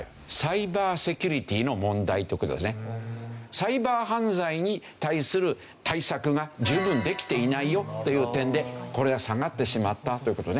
サイバー犯罪に対する対策が十分できていないよという点でこれが下がってしまったという事ね。